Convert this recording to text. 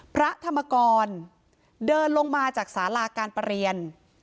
พระธรรมกรเดินลงมาจากสาราการประเรียน